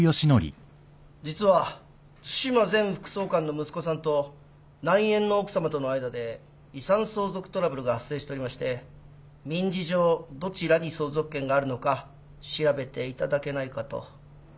実は津島前副総監の息子さんと内縁の奥さまとの間で遺産相続トラブルが発生しておりまして民事上どちらに相続権があるのか調べていただけないかと。